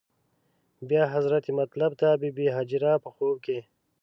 بیا حضرت مطلب ته بې بي هاجره په خوب کې.